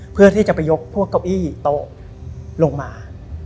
เพื่อที่จะไปยกพวกเก้าอี้โต๊ะลงมา